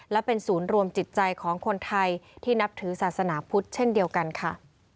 และเป็นศูนย์รวมจิตใจของคนไทยที่นับถือศาสนาพุทธเช่นเดียวกันค่ะ